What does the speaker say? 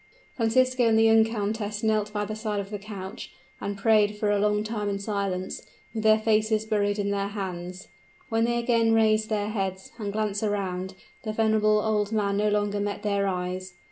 Francisco and the young countess knelt by the side of the couch, and prayed for a long time in silence, with their faces buried in their hands. When they again raised their heads, and glanced around, the venerable old man no longer met their eyes.